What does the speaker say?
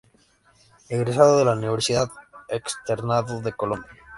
Egresado de la Universidad Externado de Colombia.